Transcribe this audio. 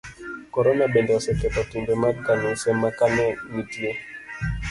Korona bende oseketho timbe mag kanise, ma ka ne nitie